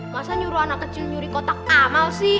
masa nyuruh anak kecil nyuri kotak amal sih